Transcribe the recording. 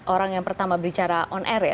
orang yang pertama bicara on air ya